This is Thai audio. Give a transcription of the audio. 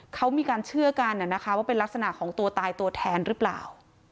เขามีการเชื่อกันว่าเป็นลักษณะของตัวตายตัวแทนหรือเปล่า